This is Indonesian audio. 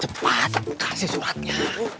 cepat kasih suratnya